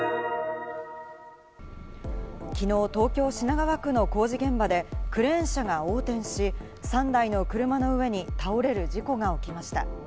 きのう東京・品川区の工事現場でクレーン車が横転し、３台の車の上に倒れる事故が起きました。